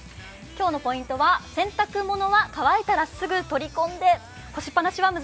今日のポイントは洗濯物は乾いたらすぐ取り込んで。